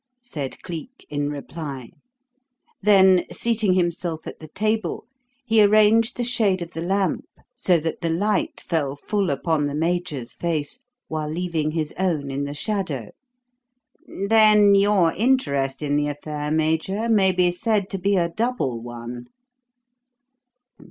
said Cleek, in reply; then, seating himself at the table, he arranged the shade of the lamp so that the light fell full upon the Major's face while leaving his own in the shadow. "Then your interest in the affair, Major, may be said to be a double one."